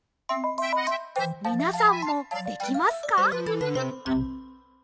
みなさんもできますか？